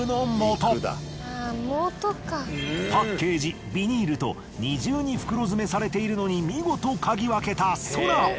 パッケージビニールと２重に袋詰めされているのにみごと嗅ぎわけたソラ！